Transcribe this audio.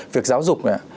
việc giáo dục này